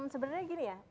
sebenarnya gini ya